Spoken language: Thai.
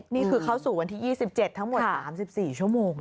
นี่คือเข้าสู่วันที่๒๗ทั้งหมด๓๔ชั่วโมง